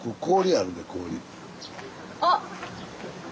あっ！